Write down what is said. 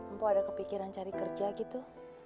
empu ada kepikiran cari kerja gitu